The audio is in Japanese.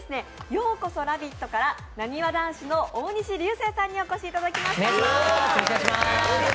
「＃ようこそラヴィット！」から、なにわ男子の大西流星さんにお越しいただきました。